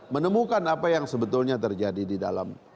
menemukan apa yang sebetulnya terjadi di dalam